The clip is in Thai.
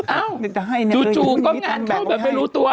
เอ้าจู่ก็งัดเท่ากับไม่รู้ตัว